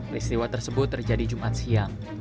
peristiwa tersebut terjadi jumat siang